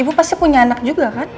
ibu pasti punya anak juga kan